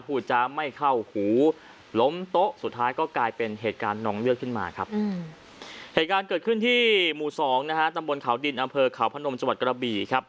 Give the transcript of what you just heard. ผู้จะไม่เข้าหูล้มโต๊ะสุดท้ายก็กลายเป็นเหตุการณ์นองเลือกขึ้นมาครับ